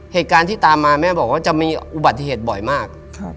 เหตุการณ์ที่ตามมาแม่บอกว่าจะมีอุบัติเหตุบ่อยมาก